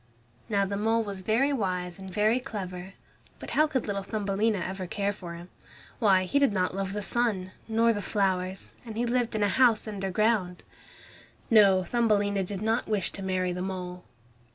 Now the mole was very wise and very clever, but how could little Thumbelina ever care for him? Why, he did not love the sun, nor the flowers, and he lived in a house underground. No, Thumbelina did not wish to marry the mole.